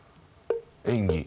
演技。